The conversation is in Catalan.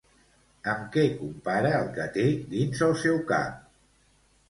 Amb què compara el que té dins el seu cap?